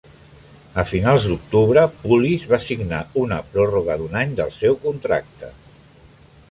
A finals d'octubre, Pulis va signar una pròrroga d'un any del seu contracte.